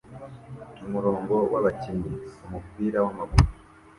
Umurongo wabakinnyi kumupira wamaguru